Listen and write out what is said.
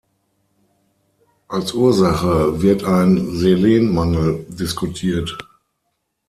Als Ursache wird ein Selenmangel diskutiert.